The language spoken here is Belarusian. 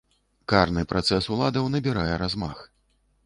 Карны працэс уладаў набірае размах.